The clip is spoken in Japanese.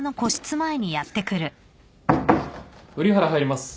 瓜原入ります。